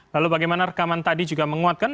lalu bagaimana rekaman tadi juga menguatkan